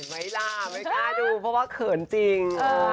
ไหมล่ะไม่กล้าดูเพราะว่าเขินจริง